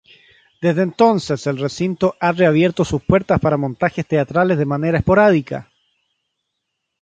Desde entonces, el recinto ha reabierto sus puertas para montajes teatrales de manera esporádica.